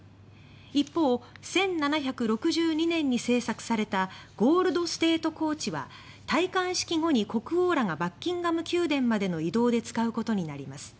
一方、１７６２年に製作されたゴールド・ステート・コーチは戴冠式後に国王らがバッキンガム宮殿までの移動で使うことになります。